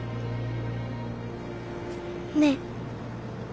ねえ。